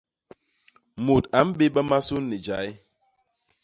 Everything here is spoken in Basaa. Mut a mbébba masun ni jay.